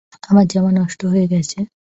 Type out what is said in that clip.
আমার জামা নষ্ট হয়ে গেছে।